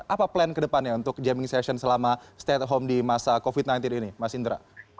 apa plan ke depannya untuk jamming session selama stay at home di masa covid sembilan belas ini mas indra